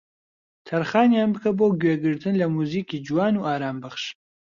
تەرخانیان بکە بۆ گوێگرتن لە موزیکی جوان و ئارامبەخش